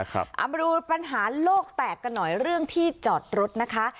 เอามาดูปัญหาโลกแตกกันหน่อยเรื่องที่จอดรถนะคะ